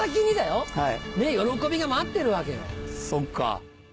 そっか。